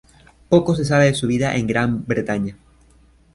Poco se sabe de su vida en Gran Bretaña.